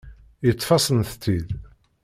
Yeṭṭef-asent-tt-id.